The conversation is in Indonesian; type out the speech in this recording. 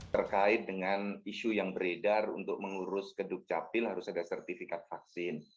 terkait dengan isu yang beredar untuk mengurus ke dukcapil harus ada sertifikat vaksin